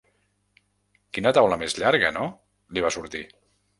Quina taula més llarga, no? —li va sortir.